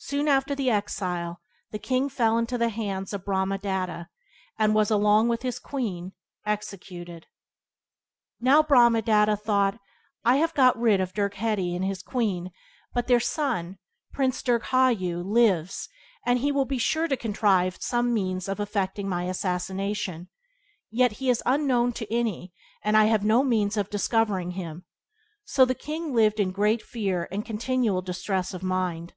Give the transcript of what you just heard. Soon after the exile king fell into the hands of Brahmadatta, and was, along with his queen, executed. Now Brahmadatta thought: "I have got rid of Dirgheti and his queen, but their son, Prince Dirghayu, lives, and he will be sure to contrive some means of effecting my assassination; yet he is unknown to any, and I have no means of discovering him." So the king lived in great fear and continual distress of mind.